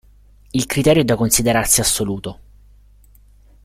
Il criterio è da considerarsi assoluto.